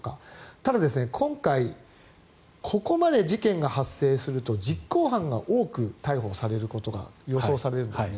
ただ、今回ここまで事件が発生すると実行犯が多く逮捕されることが予想されるんですね。